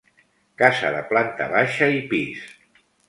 Casa de planta baixa i pis.